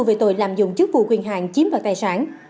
về tội làm dụng chức vụ quyền hạng chiếm loạt tài sản